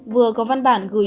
vừa có văn bản gửi